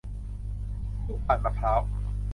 คู่พานมะพร้าว